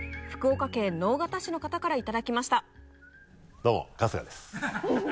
どうも春日です。